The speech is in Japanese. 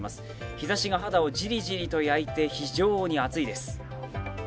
日ざしが肌をじりじりと焼いて、非常に暑いです。